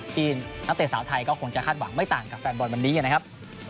นักเตะสาวไทยก็คงจะคาดหวังไม่ต่างกับแฟนบอลวันนี้นะครับ